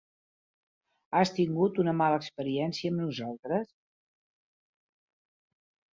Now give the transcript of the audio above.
Has tingut una mala experiència amb nosaltres?